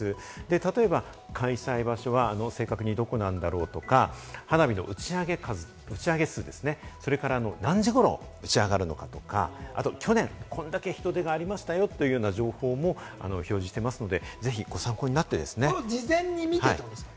例えば開催場所は正確にどこなんだろう？とか、花火の打ち上げ数、それから何時頃打ち上がるのかとか、あと去年、こんなに人出がありましたよという情報も表示していま事前に見てということですか？